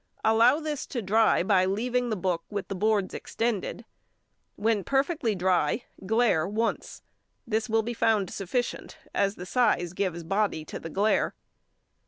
Allow this to dry by leaving the book with boards extended. When perfectly dry glaire once. This will be found sufficient, as the size gives body to the glaire.